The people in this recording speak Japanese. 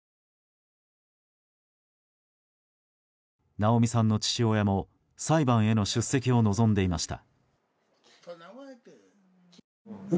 奈央美さんの父親も裁判への出席を望んでいました。